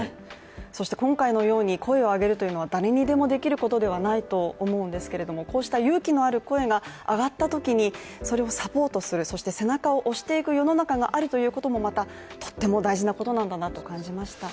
そして今回のように声を上げるというのは誰にでもできることではないと思うんですけれどもこうした勇気のある声が上がったときにそれをサポートする、そして背中を押していく世の中があるということもまたとっても大事なことなんだなと感じました